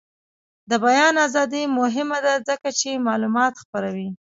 د بیان ازادي مهمه ده ځکه چې معلومات خپروي.